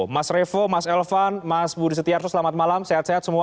mas revo mas elvan mas budi setiarto selamat malam sehat sehat semua